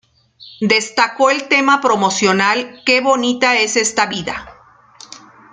Destacó el tema promocional "Que bonita es esta vida".